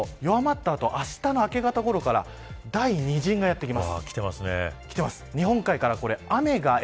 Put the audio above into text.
この後、動かすと弱まった後あしたの明け方ごろから第２陣がやって来ます。